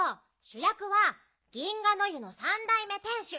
しゅやくは銀河の湯の三代目店主。